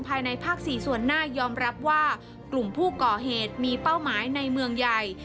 ภายในภาค๔ส่วนหน้ายอมรับว่ากลุ่มผู้ก่อเหตุมีเป้าหมายในเมืองใหญ่